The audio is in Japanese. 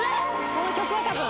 この曲は多分。